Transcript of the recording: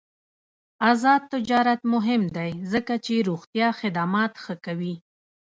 آزاد تجارت مهم دی ځکه چې روغتیا خدمات ښه کوي.